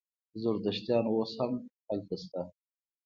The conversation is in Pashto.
زردشتیان اوس هم هلته شته.